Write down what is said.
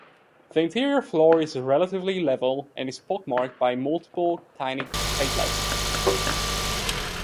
The interior floor is relatively level, and is pock-marked by multiple tiny craterlets.